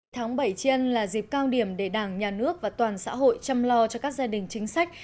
tháng bảy chiên là dịp cao điểm để đảng nhà nước và toàn xã hội chăm lo cho các gia đình chính sách